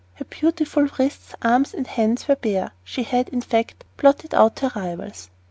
Her beautiful wrists, arms, and hands were bare. She had, in fact, blotted out her rivals.